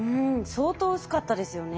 相当薄かったですよね。